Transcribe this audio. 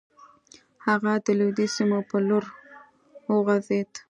هغه د لويديځو سيمو پر لور وخوځېد.